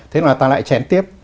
thế là ta lại chén tiếp